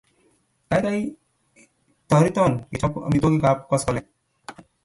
Kaikai toreton kechop amitwogik ap koskoling'